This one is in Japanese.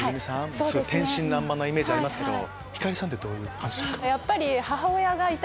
天真爛漫なイメージがありますけど星さんはどういう感じですか？